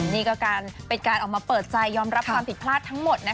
นี่ก็เป็นการออกมาเปิดใจยอมรับความผิดพลาดทั้งหมด